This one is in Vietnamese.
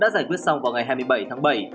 đã giải quyết xong vào ngày hai mươi bảy tháng bảy